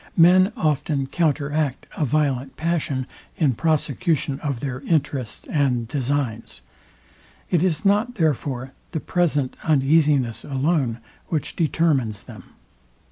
Men often counter act a violent passion in prosecution of their interests and designs: It is not therefore the present uneasiness alone, which determines them.